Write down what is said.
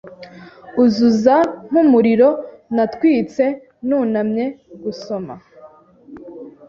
Uzuza nkumuriro natwitseNunamye gusoma